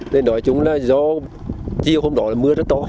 để nói chung là do chiều hôm đó là mưa rất to